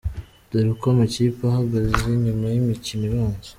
Dore uko amakipe ahagaze nyuma y'imikino ibanza .